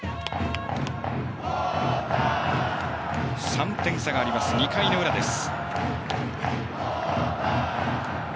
３点差があります、２回の裏です。